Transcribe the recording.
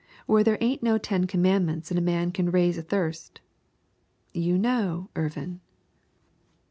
"Where there ain't no Ten Commandments and a man can raise a thirst." (You know, Irvin!)